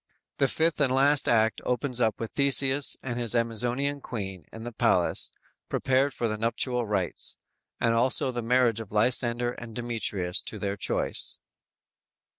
The fifth and last act opens up with Theseus and his Amazonian Queen in the palace, prepared for the nuptial rites, and also the marriage of Lysander and Demetrius to their choice.